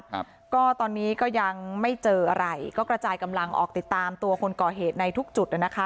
ครับก็ตอนนี้ก็ยังไม่เจออะไรก็กระจายกำลังออกติดตามตัวคนก่อเหตุในทุกจุดอ่ะนะคะ